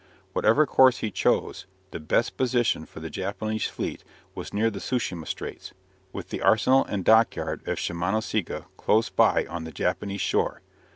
Whatever course he chose, the best position for the Japanese fleet was near the Tsu shima straits, with the arsenal and dockyard of Shimonoseki close by on the Japanese shore.